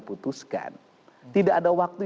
putuskan tidak ada waktu